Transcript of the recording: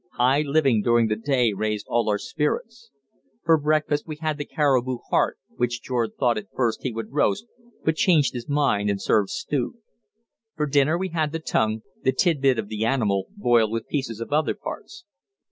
High living during the day raised all of our spirits. For breakfast we had the caribou heart, which George thought at first he would roast but changed his mind and served stewed. For dinner we had the tongue, the tidbit of the animal, boiled with pieces of other parts.